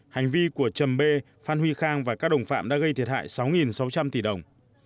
hành vi của chầm bê phan huy khang và các đồng phạm đã gây thiệt hại sáu sáu trăm linh tỷ đồng